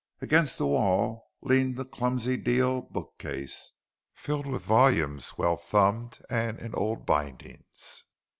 Against the wall leaned a clumsy deal bookcase filled with volumes well thumbed and in old bindings.